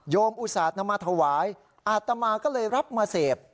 โยมอุศาสนมาถวายอาตมาก็เลยรับมาเสพ